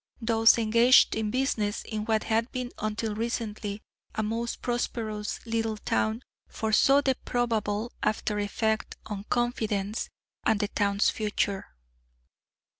Those engaged in business in what had been until recently a most prosperous little town foresaw the probable after effect on confidence and the town's future.